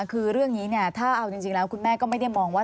คือเรื่องนี้เนี่ยถ้าเอาจริงแล้วคุณแม่ก็ไม่ได้มองว่า